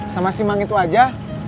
sama si mang itu aja